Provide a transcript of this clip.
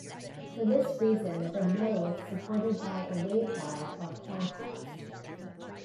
For this reason, the modes supported by a waveguide are quantized.